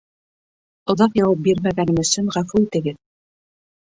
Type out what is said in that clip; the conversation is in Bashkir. Оҙаҡ яуап бирмәгәнем өсөн ғәфү итегеҙ!